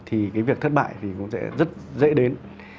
thì cái việc thất bại thì cũng sẽ rất dễ đến